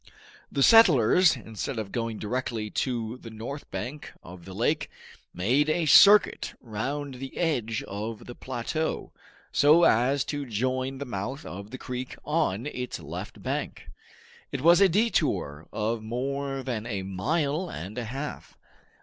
The settlers instead of going directly to the north bank of the lake, made a circuit round the edge of the plateau, so as to join the mouth of the creek on its left bank. It was a detour of more than a mile and a half.